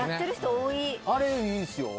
あれいいですよ。